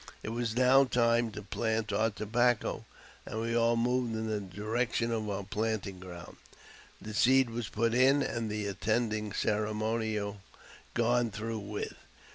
It was now time to plant our tobacco, and we all moved in the direction of our planting ground. The seed was put in, and the attending ceremonial gone through with.